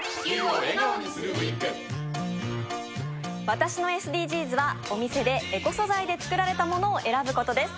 私のＳＤＧｓはお店でエコ素材で作られた物を選ぶことです。